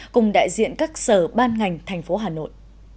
cùng đại diện các sở ban ngành thành phố hà nội